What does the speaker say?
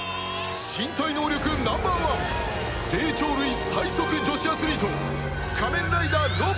身体能力ナンバーワン霊長類最速女子アスリート仮面ライダーロポ